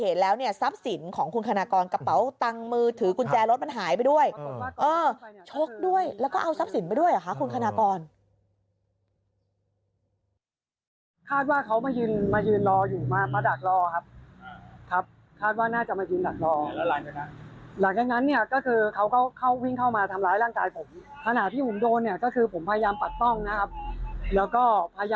แต่เรายังไม่ทราบรายเทียดนะ